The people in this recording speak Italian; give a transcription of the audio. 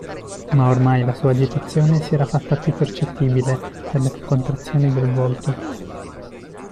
Ma ormai la sua agitazione si era fatta più percettibile per le contrazioni del volto.